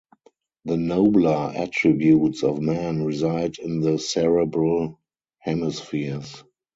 The nobler attributes of man reside in the cerebral hemispheres.